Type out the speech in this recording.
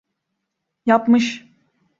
Yapmış.